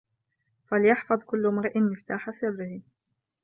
فَلْيَحْفَظْ كُلُّ امْرِئٍ مِفْتَاحَ سِرِّهِ